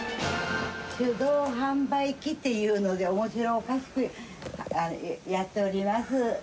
手動販売機っていうので、おもしろおかしくやっております。